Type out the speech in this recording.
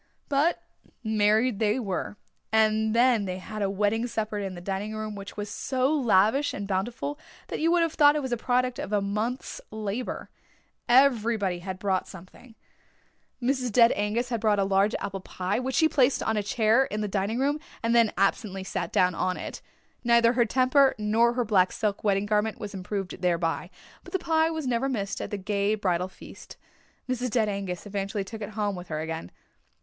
But married they were, and then they had a wedding supper in the dining room which was so lavish and bountiful that you would have thought it was the product of a month's labour. Everybody had brought something. Mrs. Dead Angus had brought a large apple pie, which she placed on a chair in the dining room and then absently sat down on it. Neither her temper nor her black silk wedding garment was improved thereby, but the pie was never missed at the gay bridal feast. Mrs. Dead Angus eventually took it home with her again.